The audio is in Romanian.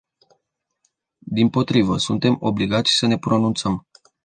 Dimpotrivă, suntem obligați să ne pronunțăm.